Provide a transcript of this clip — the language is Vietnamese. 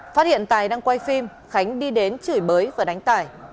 phát hiện tài đang quay phim khánh đi đến chửi bới và đánh tải